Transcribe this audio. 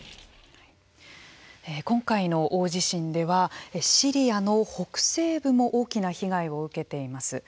今回の大地震ではシリアの北西部も大きな被害を受けています。